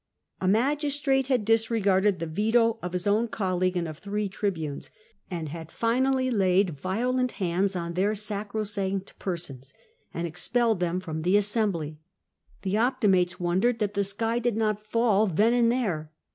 A magistrate had disregarded the veto of his own col league and of three tribunes, and had finally laid violent hands on their sacrosanct persons and expelled them from the Assembly. The Optimates wonderc^d that the sky did not fall then and there.